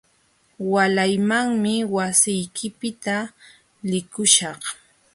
Waalaymanmi wasiykipiqta likuśhaq.